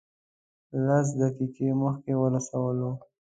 لس دقیقې مخکې ورسولو.